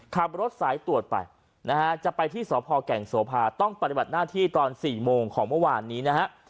ขับรถสายตรวจไปนะฮะจะไปที่สพแก่งโสภาต้องปฏิบัติหน้าที่ตอน๔โมงของเมื่อวานนี้นะฮะ